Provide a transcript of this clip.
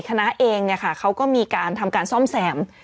คณะเองเขาก็มีการทำการซ่อมแซม